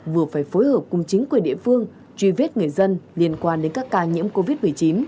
vừa phải phối hợp cùng chính quyền địa phương truy vết người dân liên quan đến các ca nhiễm covid một mươi chín